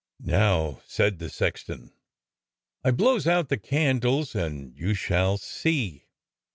"Now," said the sexton, "I blows out the candles and you shall see."